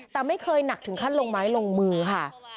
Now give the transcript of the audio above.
แต่ไม่เคยหนักถึงขั้นลงไม้ลงมือค่ะ